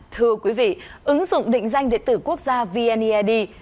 thưa quý vị ứng dụng định danh điện tử quốc gia vneid